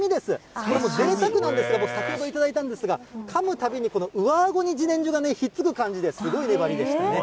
これもぜいたくなんですけれども、先ほど頂いたんですが、かむたびに上あごにじねんじょがひっつく感じで、すごい粘りでしたね。